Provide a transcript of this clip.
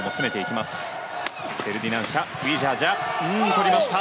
取りました！